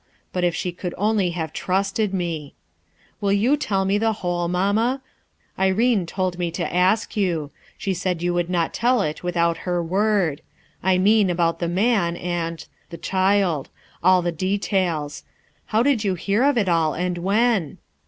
But if & could only have trusted me ! "Will you tell mc the whole, mamma? I rcne told me to ask you ; she said you would not tell it without her word. I mean about the man and— the child; all the details. How did you hear of it all, and when?"